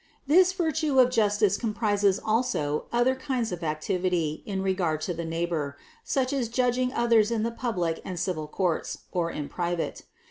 557. This virtue of justice comprises also other kinds of activity in regard to the neighbor, such as judging THE CONCEPTION 429 others in the public and civil courts, or in private.